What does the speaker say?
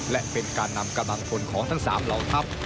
และเป็นการนำกำลังพลของทั้ง๓เหล่าทัพ